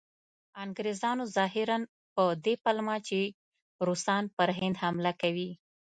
انګریزانو ظاهراً په دې پلمه چې روسان پر هند حمله کوي.